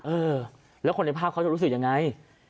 เออแล้วคนในภาพเขาจะรู้สึกยังไง